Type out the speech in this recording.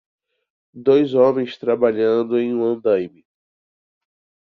Dois homens trabalhando em um andaime.